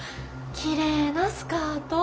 きれいなスカート。